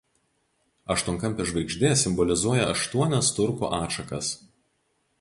Aštuonkampė žvaigždė simbolizuoja aštuonias turkų atšakas.